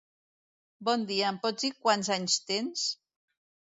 Bon dia, em pots dir quants anys tens?